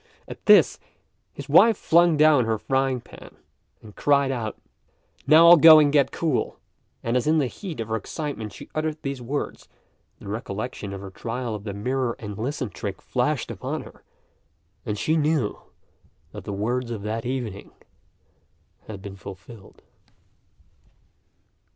At this, his wife flung down her frying pan, and cried out, "Now I'll go and get cool;" and as in the heat of her excitement she uttered these words, the recollection of her trial of the "mirror and listen" trick flashed upon her, and she knew that the words of that evening had been fulfilled.